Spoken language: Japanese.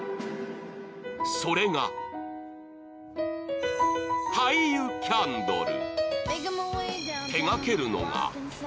それが廃油キャンドル。